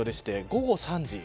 午後３時。